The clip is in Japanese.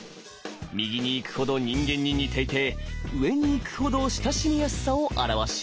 右にいくほど人間に似ていて上にいくほど親しみやすさを表します。